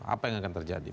apa yang akan terjadi